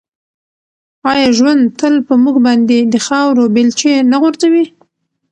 آیا ژوند تل په موږ باندې د خاورو بیلچې نه غورځوي؟